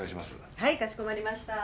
はいかしこまりました。